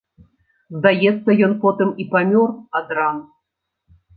Здаецца, ён потым і памёр ад ран.